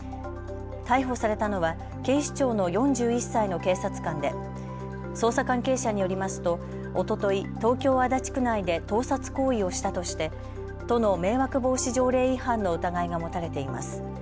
逮捕されたのは警視庁の４１歳の警察官で捜査関係者によりますとおととい東京足立区内で盗撮行為をしたとして都の迷惑防止条例違反の疑いが持たれています。